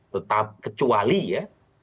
tetap kecuali ya